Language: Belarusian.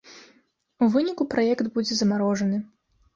У выніку праект будзе замарожаны.